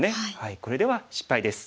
これでは失敗です。